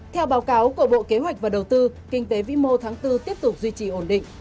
theo báo cáo của bộ kế hoạch và đầu tư kinh tế vĩ mô tháng bốn tiếp tục duy trì ổn định